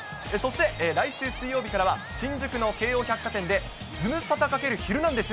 そして、来週水曜日からは、新宿の京王百貨店で、ズムサタ×ヒルナンデス！